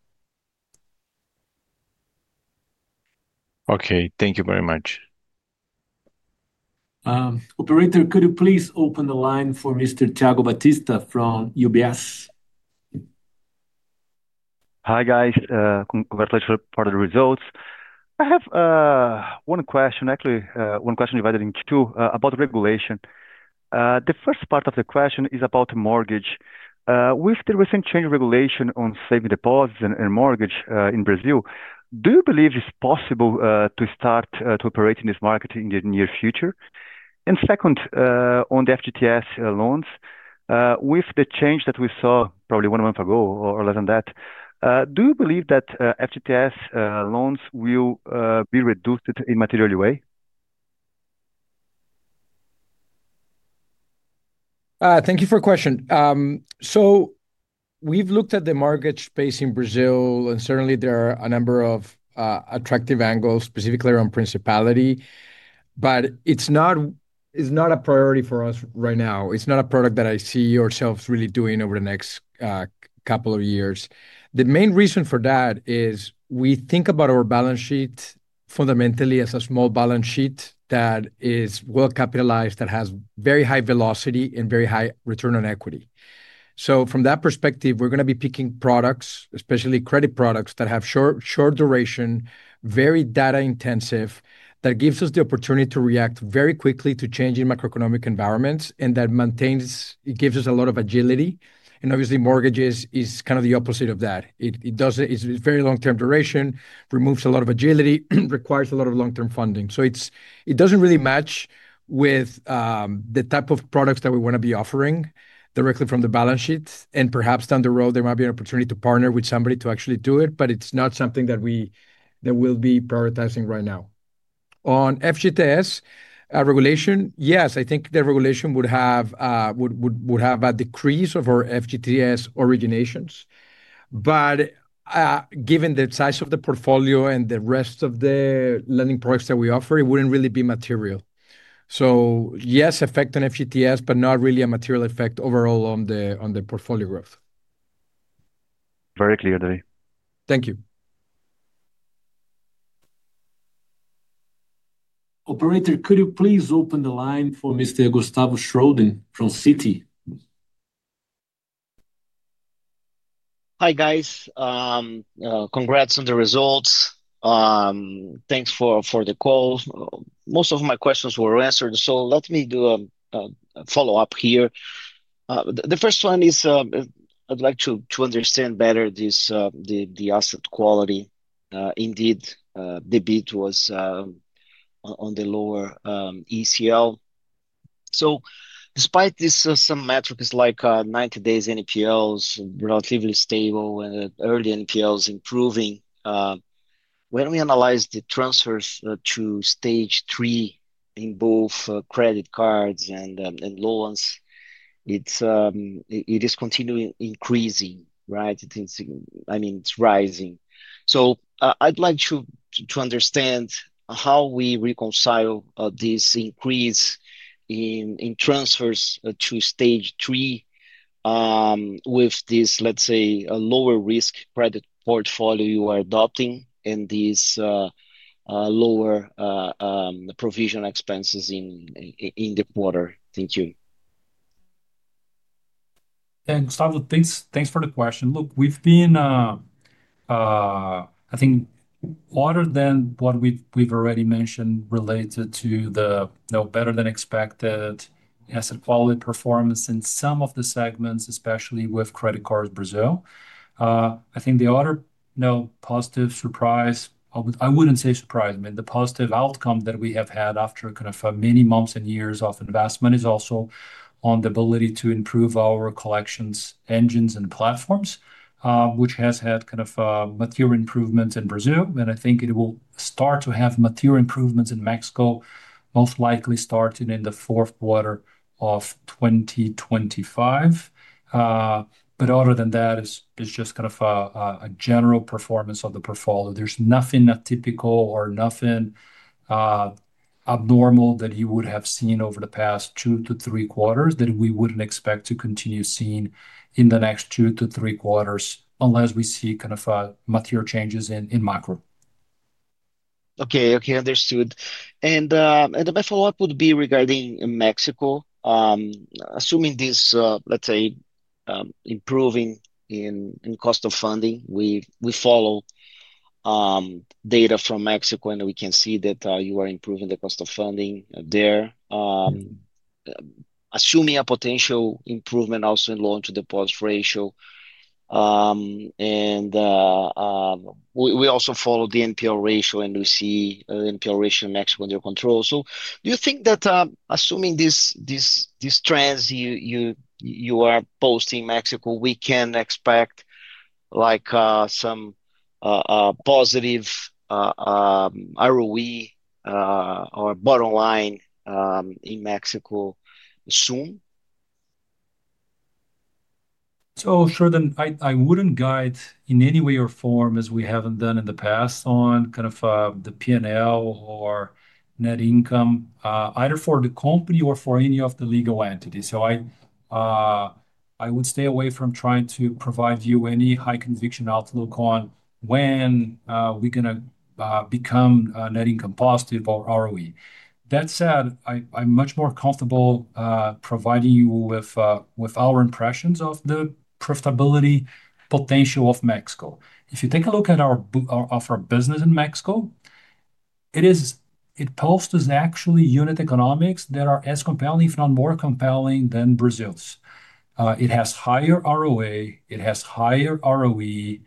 Okay. Thank you very much. Operator, could you please open the line for Mr. Thiago Batista from UBS? Hi guys. Congratulations for the results. I have one question, actually one question divided into two, about regulation. The first part of the question is about mortgage. With the recent change in regulation on saving deposits and mortgage in Brazil, do you believe it's possible to start to operate in this market in the near future? The second, on the FGTS loans, with the change that we saw probably one month ago or less than that, do you believe that FGTS loans will be reduced in a material way? Thank you for the question. We've looked at the mortgage space in Brazil, and certainly there are a number of attractive angles, specifically around principality. It is not a priority for us right now. It is not a product that I see ourselves really doing over the next couple of years. The main reason for that is we think about our balance sheet fundamentally as a small balance sheet that is well capitalized, that has very high velocity and very high return on equity. From that perspective, we are going to be picking products, especially credit products that have short duration, very data-intensive, that gives us the opportunity to react very quickly to changing macroeconomic environments, and that gives us a lot of agility. Obviously, mortgages is kind of the opposite of that. It is very long-term duration, removes a lot of agility, requires a lot of long-term funding. It does not really match with the type of products that we want to be offering directly from the balance sheet. Perhaps down the road, there might be an opportunity to partner with somebody to actually do it, but it is not something that we will be prioritizing right now. On FGTS regulation, yes, I think the regulation would have a decrease of our FGTS originations. Given the size of the portfolio and the rest of the lending products that we offer, it would not really be material. Yes, effect on FGTS, but not really a material effect overall on the portfolio growth. Very clear, Dave. Thank you. Operator, could you please open the line for Mr. Gustavo Schroden from Citi? Hi guys. Congrats on the results. Thanks for the call. Most of my questions were answered. Let me do a follow-up here. The first one is, I'd like to understand better the asset quality. Indeed, the bid was on the lower ECL. Despite some metrics like 90 days NPLs, relatively stable, and early NPLs improving, when we analyze the transfers to stage three in both credit cards and loans, it is continually increasing, right? I mean, it's rising. I'd like to understand how we reconcile this increase in transfers to stage three with this, let's say, a lower risk credit portfolio you are adopting, and these lower provisional expenses in the quarter. Thank you. Gustavo, thanks for the question. Look, we've been, I think, other than what we've already mentioned, related to the better-than-expected asset quality performance in some of the segments, especially with credit cards Brazil. I think the other positive surprise, I wouldn't say surprise, I mean, the positive outcome that we have had after kind of many months and years of investment is also on the ability to improve our collections engines and platforms, which has had kind of material improvements in Brazil. I think it will start to have material improvements in Mexico, most likely starting in the fourth quarter of 2025. Other than that, it's just kind of a general performance of the portfolio. There's nothing atypical or nothing abnormal that you would have seen over the past two to three quarters that we wouldn't expect to continue seeing in the next two to three quarters unless we see kind of material changes in macro. Okay. Okay. Understood. My follow-up would be regarding Mexico. Assuming this, let's say, improving in cost of funding, we follow data from Mexico, and we can see that you are improving the cost of funding there. Assuming a potential improvement also in loan-to-deposit ratio. We also follow the NPL ratio, and we see the NPL ratio in Mexico under control. Do you think that, assuming these trends you are posting in Mexico, we can expect some positive ROE or bottom line in Mexico soon? Schroden, I would not guide in any way or form, as we have not done in the past, on kind of the P&L or net income, either for the company or for any of the legal entities. I would stay away from trying to provide you any high-conviction outlook on when we are going to become net income positive or ROE. That said, I am much more comfortable providing you with our impressions of the profitability potential of Mexico. If you take a look at our business in Mexico, it posts us actually unit economics that are as compelling, if not more compelling, than Brazil's. It has higher ROA. It has higher ROE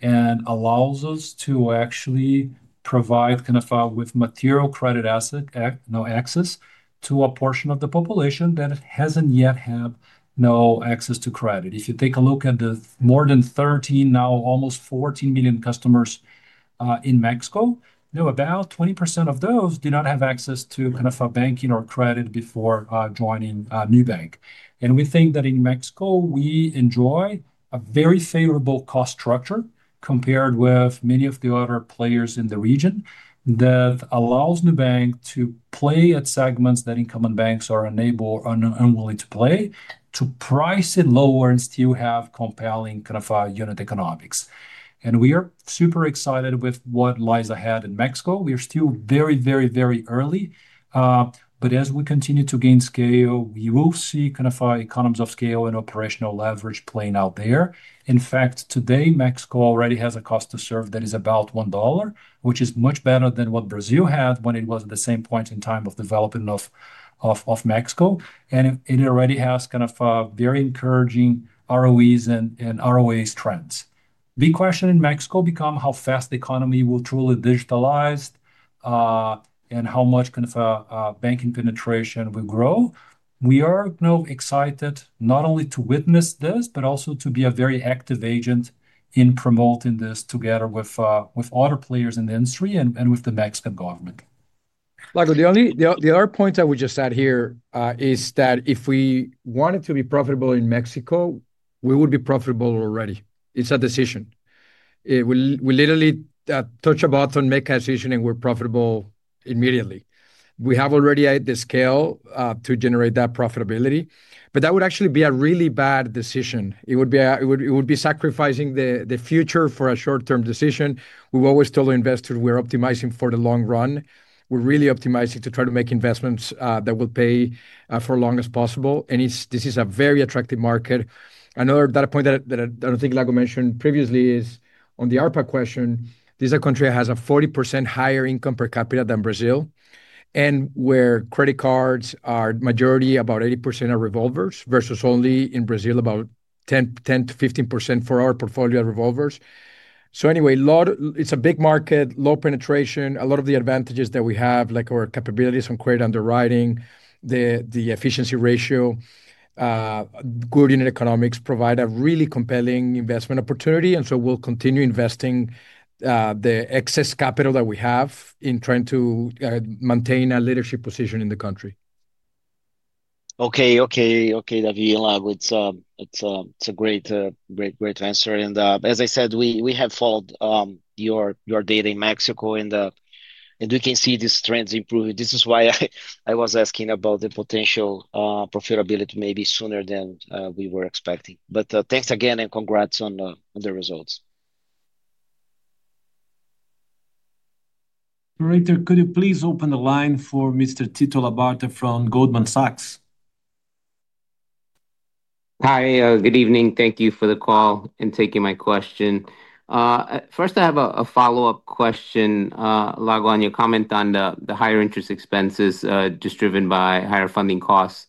and allows us to actually provide kind of with material credit access to a portion of the population that has not yet had no access to credit. If you take a look at the more than 13, now almost 14 million customers in Mexico, about 20% of those do not have access to kind of a banking or credit before joining Nubank. We think that in Mexico, we enjoy a very favorable cost structure compared with many of the other players in the region that allows Nubank to play at segments that incoming banks are unable or unwilling to play to price it lower and still have compelling kind of unit economics. We are super excited with what lies ahead in Mexico. We are still very, very, very early. As we continue to gain scale, we will see kind of economies of scale and operational leverage playing out there. In fact, today, Mexico already has a cost to serve that is about $1, which is much better than what Brazil had when it was at the same point in time of development of Mexico. It already has kind of very encouraging ROEs and ROAs trends. The big question in Mexico becomes how fast the economy will truly digitalize and how much kind of banking penetration will grow. We are excited not only to witness this, but also to be a very active agent in promoting this together with other players in the industry and with the Mexican government. The other point I would just add here is that if we wanted to be profitable in Mexico, we would be profitable already. It is a decision. We literally touch a button, make a decision, and we are profitable immediately. We have already the scale to generate that profitability. That would actually be a really bad decision. It would be sacrificing the future for a short-term decision. We have always told our investors we are optimizing for the long run. We are really optimizing to try to make investments that will pay for as long as possible. This is a very attractive market. Another data point that I do not think Lago mentioned previously is on the ARPA question. This is a country that has a 40% higher income per capita than Brazil, and where credit cards are majority, about 80% are revolvers, versus only in Brazil, about 10%-15% for our portfolio are revolvers. Anyway, it's a big market, low penetration, a lot of the advantages that we have, like our capabilities on credit underwriting, the efficiency ratio, good unit economics provide a really compelling investment opportunity. We will continue investing the excess capital that we have in trying to maintain a leadership position in the country. Okay. Okay. Okay, Davi. It's a great, great, great answer. As I said, we have followed your data in Mexico, and we can see these trends improving. This is why I was asking about the potential profitability, maybe sooner than we were expecting. Thanks again, and congrats on the results. Operator, could you please open the line for Mr. Tito Labarta from Goldman Sachs? Hi. Good evening. Thank you for the call and taking my question. First, I have a follow-up question, Lago, on your comment on the higher interest expenses just driven by higher funding costs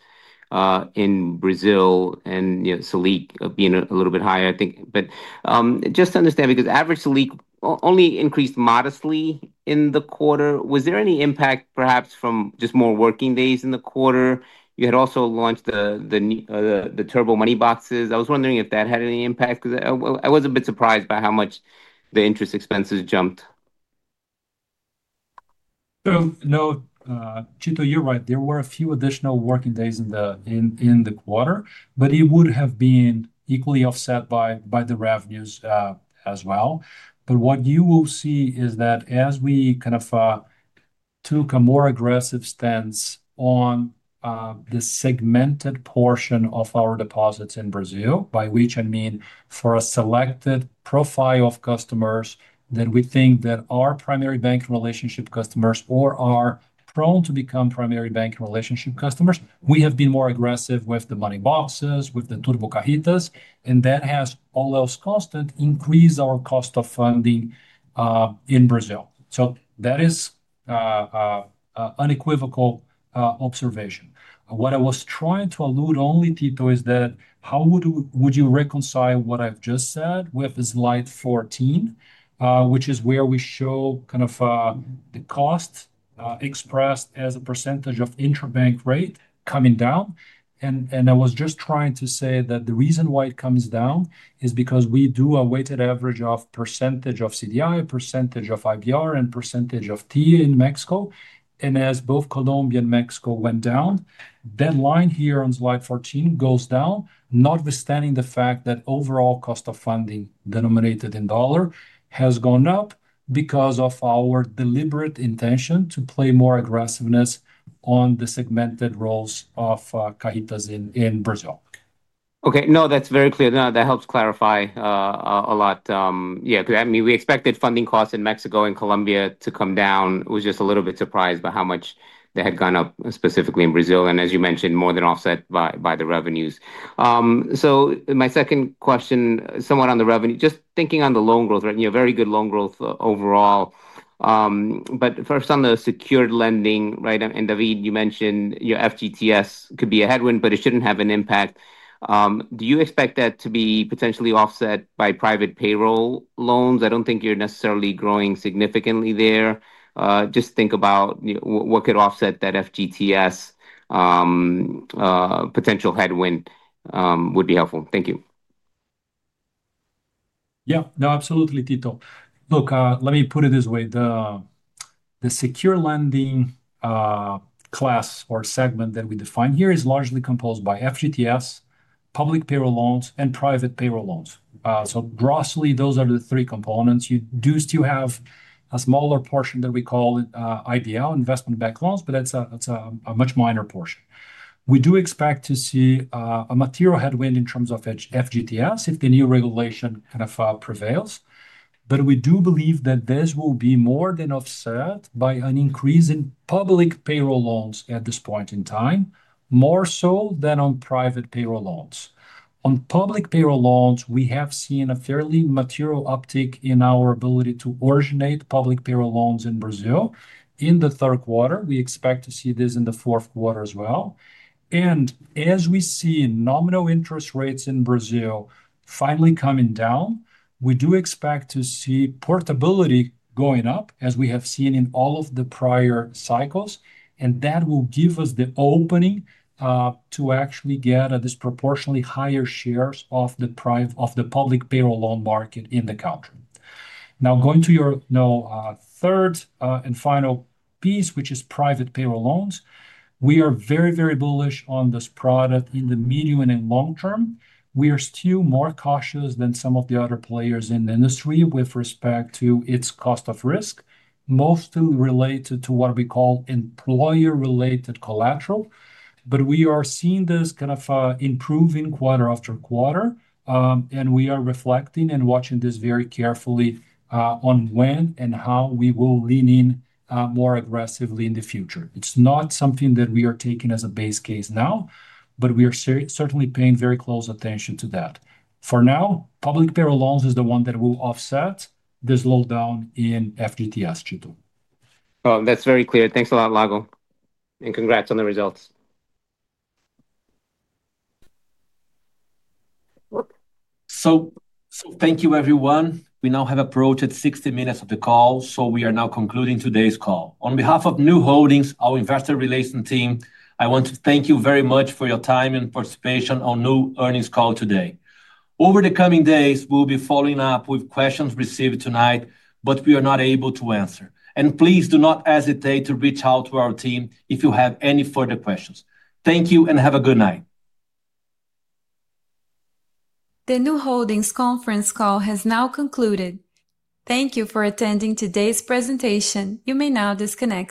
in Brazil and SELIC being a little bit higher. Just to understand, because average SELIC only increased modestly in the quarter, was there any impact perhaps from just more working days in the quarter? You had also launched the Turbo Money Boxes. I was wondering if that had any impact because I was a bit surprised by how much the interest expenses jumped. No, Tito, you're right. There were a few additional working days in the quarter, but it would have been equally offset by the revenues as well. What you will see is that as we kind of took a more aggressive stance on the segmented portion of our deposits in Brazil, by which I mean for a selected profile of customers that we think that are primary banking relationship customers or are prone to become primary banking relationship customers, we have been more aggressive with the money boxes, with the Turbo Cajitas, and that has all else constant increased our cost of funding in Brazil. That is an unequivocal observation. What I was trying to allude only, Tito, is that how would you reconcile what I've just said with slide 14, which is where we show kind of the cost expressed as a percentage of interbank rate coming down? I was just trying to say that the reason why it comes down is because we do a weighted average of percentage of CDI, percentage of IBR, and percentage of TIA in Mexico. As both Colombia and Mexico went down, that line here on slide 14 goes down, notwithstanding the fact that overall cost of funding denominated in dollar has gone up because of our deliberate intention to play more aggressiveness on the segmented roles of Cajitas in Brazil. Okay. No, that's very clear. That helps clarify a lot. Yeah. I mean, we expected funding costs in Mexico and Colombia to come down. I was just a little bit surprised by how much they had gone up, specifically in Brazil, and as you mentioned, more than offset by the revenues. My second question, somewhat on the revenue, just thinking on the loan growth, right? You have very good loan growth overall. First, on the secured lending, right? And David, you mentioned your FGTS could be a headwind, but it shouldn't have an impact. Do you expect that to be potentially offset by private payroll loans? I don't think you're necessarily growing significantly there. Just think about what could offset that FGTS potential headwind would be helpful. Thank you. Yeah. No, absolutely, Tito. Look, let me put it this way. The secured lending class or segment that we define here is largely composed by FGTS, public payroll loans, and private payroll loans. So grossly, those are the three components. You do still have a smaller portion that we call IBL, investment bank loans, but that's a much minor portion. We do expect to see a material headwind in terms of FGTS if the new regulation kind of prevails. We do believe that this will be more than offset by an increase in public payroll loans at this point in time, more so than on private payroll loans. On public payroll loans, we have seen a fairly material uptick in our ability to originate public payroll loans in Brazil in the third quarter. We expect to see this in the fourth quarter as well. As we see nominal interest rates in Brazil finally coming down, we do expect to see portability going up as we have seen in all of the prior cycles. That will give us the opening to actually get a disproportionately higher share of the public payroll loan market in the country. Now, going to your third and final piece, which is private payroll loans, we are very, very bullish on this product in the medium and long term. We are still more cautious than some of the other players in the industry with respect to its cost of risk, mostly related to what we call employer-related collateral. We are seeing this kind of improving quarter after quarter. We are reflecting and watching this very carefully on when and how we will lean in more aggressively in the future. It's not something that we are taking as a base case now, but we are certainly paying very close attention to that. For now, public payroll loans is the one that will offset this low down in FGTS, Tito. That's very clear. Thanks a lot, Lago. And congrats on the results. Thank you, everyone. We now have approached 60 minutes of the call. We are now concluding today's call. On behalf of Nu Holdings, our investor relations team, I want to thank you very much for your time and participation on Nu Earnings Call today. Over the coming days, we'll be following up with questions received tonight that we are not able to answer. Please do not hesitate to reach out to our team if you have any further questions. Thank you, and have a good night. The Nu Holdings conference call has now concluded. Thank you for attending today's presentation. You may now disconnect.